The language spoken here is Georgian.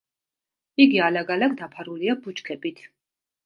იგი ალაგ-ალაგ დაფარულია ბუჩქებით.